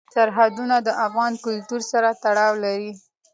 سرحدونه د افغان کلتور سره تړاو لري.